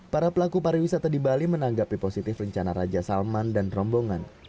para pelaku pariwisata di bali menanggapi positif rencana raja salman dan rombongan